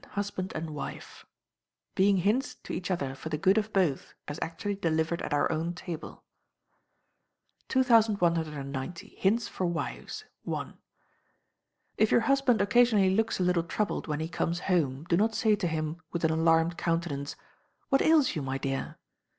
Husband and Wife. Being hints to each other for the good of both, as actually delivered at our own table: 2190. Hints for Wives (1). If your husband occasionally looks a little troubled when he comes home, do not say to him, with an alarmed countenance, "What ails you, my dear?"